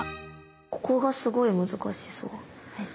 ここがすごい難しそう。ですね。